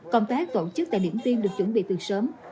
công tác tổ chức tại điểm tiên được chuẩn bị từ sớm